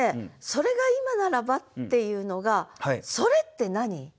「それが今ならば」っていうのが「それ」って何？